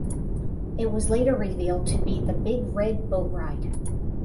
It was later revealed to be the Big Red Boat Ride.